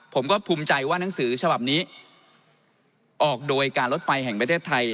ผมก็ภูมิใจว่าหนังสือฉบับนี้ออกโดยการรถไฟแห่งประเทศไทย